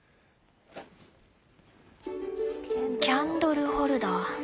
キャンドルホルダー。